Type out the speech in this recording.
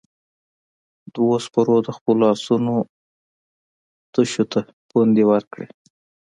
دوو سپرو د خپلو آسونو تشو ته پوندې ورکړې.